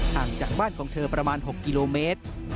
ห่างจากบ้านของเธอประมาณ๖กิโลเมตร